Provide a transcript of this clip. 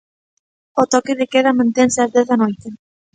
O toque de queda mantense ás dez da noite.